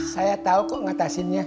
saya tau kok ngatasinnya